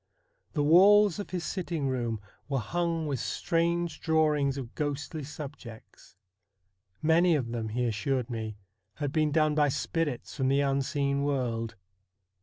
The walls of his sitting room were hung with strange drawings of ghostly subjects. Many of them, he assured me, had been done by spirits from the unseen world.